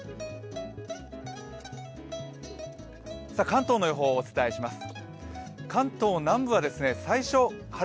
関東の予報をお伝えします。